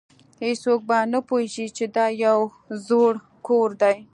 هیڅوک به نه پوهیږي چې دا یو زوړ کور دی